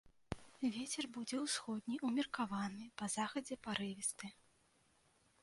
Вецер будзе ўсходні, умеркаваны, па захадзе парывісты.